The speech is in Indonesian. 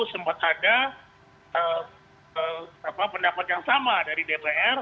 sempat ada pendapat yang sama dari dpr